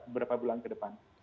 berapa bulan ke depan